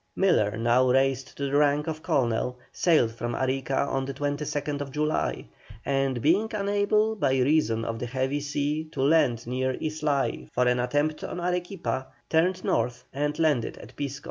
Miller, now raised to the rank of colonel, sailed from Arica on the 22nd July, and, being unable by reason of the heavy sea to land near Islay for an attempt on Arequipa, turned north and landed at Pisco.